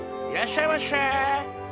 いらっしゃいませ。